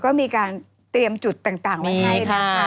ก็มีการเตรียมจุดต่างไว้ให้นะคะ